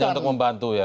hanya untuk membantu ya